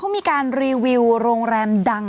มีการรีวิวโรงแรมดังค่ะ